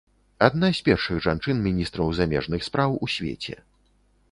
Адна з першых жанчын міністраў замежных спраў у свеце.